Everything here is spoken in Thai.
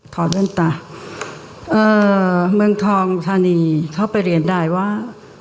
แว่นตาเอ่อเมืองทองธานีเข้าไปเรียนได้ว่า